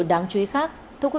đáng chú ý khác